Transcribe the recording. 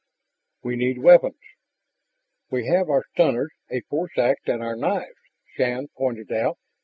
"We need weapons " "We have our stunners, a force ax, and our knives," Shann pointed out.